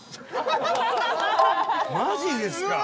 マジですか？